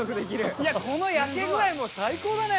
いやこの焼け具合も最高だね。